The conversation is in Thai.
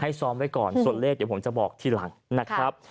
ซ้อมไว้ก่อนส่วนเลขเดี๋ยวผมจะบอกทีหลังนะครับ